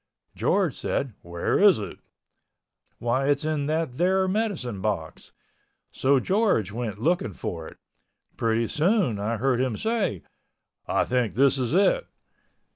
George said, "Where is it?" "Why, it's in that thar medicine box." So George went looking for it. Pretty soon I heard him say, "I think this is it."